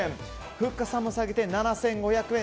ふっかさんも下げて７５００円。